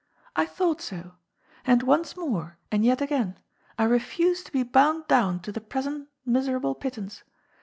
" I thought so. And once more, and yet again, I refuse to be bound down to the present miserable pittance.